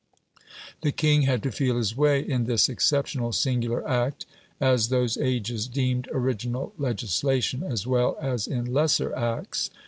The king had to feel his way in this exceptional, singular act, as those ages deemed original legislation, as well as in lesser acts.